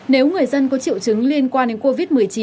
nếu người dân có triệu chứng liên quan đến covid một mươi chín